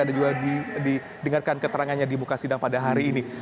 dan juga didengarkan keterangannya di buka sidang pada hari ini